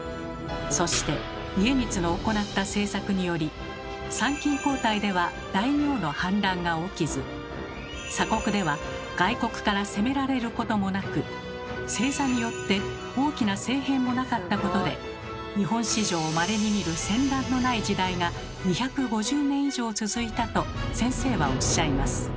そして家光の行った政策により参勤交代では大名の反乱が起きず鎖国では外国から攻められることもなく正座によって大きな政変もなかったことで日本史上まれに見ると先生はおっしゃいます。